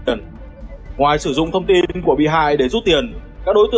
từ đây xin điện thoại của nạn nhân sẽ mất quyền kiểm soát